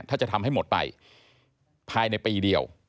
ถ้าจะทำให้หมดไปภายในปีเดียว